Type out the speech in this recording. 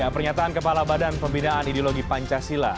pernyataan kepala badan pembinaan ideologi pancasila